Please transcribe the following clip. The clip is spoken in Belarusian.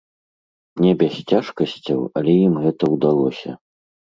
Не без цяжкасцяў, але ім гэта ўдалося.